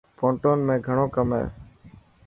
پونٽون ۾ گهڻو ڪم هي.